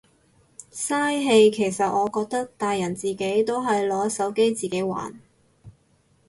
嘥氣其實我覺得，大人自己都係攞手機自己玩。